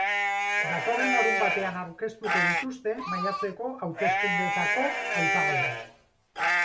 Datorren larunbatean aurkeztuko dituzte maiatzeko hauteskundetako hautagaiak.